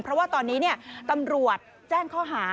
เพราะว่าตอนนี้ตำรวจแจ้งข้อหา